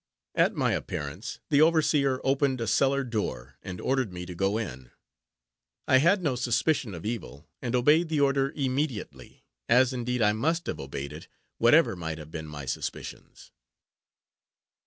At my appearance, the overseer opened a cellar door, and ordered me to go in. I had no suspicion of evil, and obeyed the order immediately: as, indeed, I must have obeyed it, whatever might have been my suspicions.